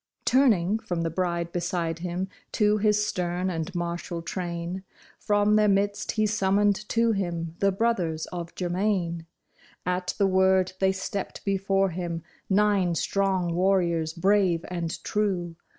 Turning from the bride beside him to his stern and martial train, From their midst he summoned to him the brothers of Germain ; At the word they stepped before him, nine strong warriors, brave and true.